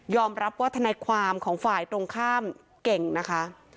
รับว่าทนายความของฝ่ายตรงข้ามเก่งนะคะ